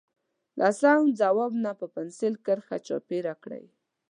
له سم ځواب نه په پنسل کرښه چاپېره کړئ.